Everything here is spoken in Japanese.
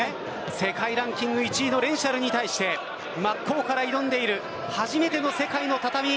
世界ランキング１位のレンシャルに対して真っ向から挑んでいる初めての世界の畳。